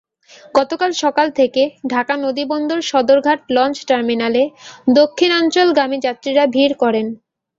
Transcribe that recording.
গতকাল সকাল থেকে ঢাকা নদীবন্দর সদরঘাট লঞ্চ টার্মিনালে দক্ষিণাঞ্চলগামী যাত্রীরা ভিড় করেন।